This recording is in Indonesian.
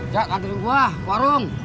cak nanti gua ke warung